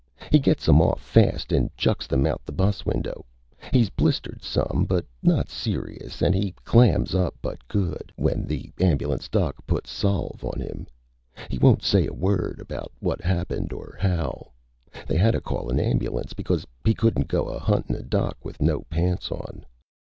He gets 'em off fast and chucks them out the bus window. He's blistered some but not serious, and he clams up but good when the ambulance doc puts salve on him. He won't say a word about what happened or how. They hadda call a ambulance because he couldn't go huntin' a doc with no pants on."